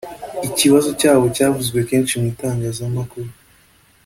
Ikibazo cyabo cyavuzwe kenshi mu itangazamakuru